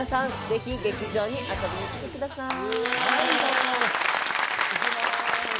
ぜひ劇場に遊びに来てください